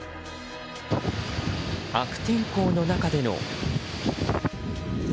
悪天候の中での。